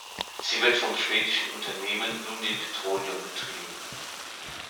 Sie wird vom schwedischen Unternehmen Lundin Petroleum betrieben.